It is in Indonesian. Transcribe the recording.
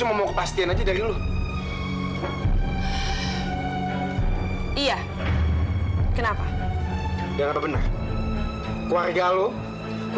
udah puas selamat malam